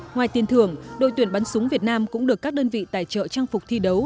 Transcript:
ngoài tiền thưởng đội tuyển bắn súng việt nam cũng được các đơn vị tài trợ trang phục thi đấu